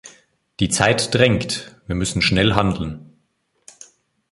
Die Zeit drängt, wir müssen schnell handeln.